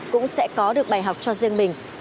cũng sẽ có được bài học cho riêng mình